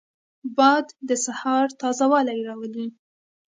باد د سهار تازه والی راولي